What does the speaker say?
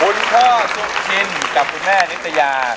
คุณพ่อสุชินกับคุณแม่นิตยา